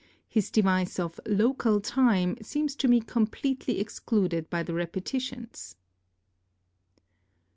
His device of 'local time' seems to me completely excluded by the repetitions.